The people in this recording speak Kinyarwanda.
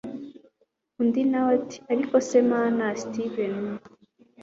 undi nawe ati ariko se mn steven